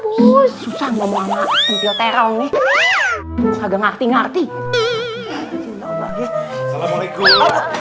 anya gimana cpu auter rony veya enggak ngerti ngerti selama maikun